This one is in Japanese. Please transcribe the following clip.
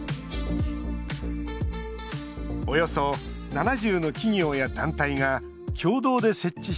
およそ７０の企業や団体が共同で設置した